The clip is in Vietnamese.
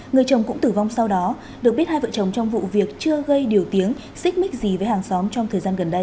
người chồng cũng tử vong sau đó được biết hai vợ chồng trong vụ việc chưa gây điều tiếng xích mít gì với hàng xóm trong thời gian gần đây